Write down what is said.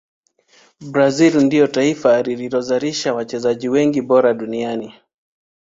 brazil ndio taifa lililozalisha wachezaji wengi bora duniani